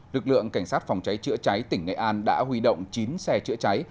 lực lượng cảnh sát phòng cháy chữa cháy tỉnh nghệ an đã huy động chín xe chữa cháy